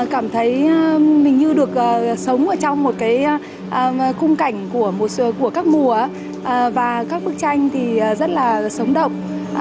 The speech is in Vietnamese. cảm thấy mình như được sống ở trong một cái khung cảnh của các mùa và các bức tranh thì rất là sống động